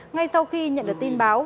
ngay sau khi nhận được tin báo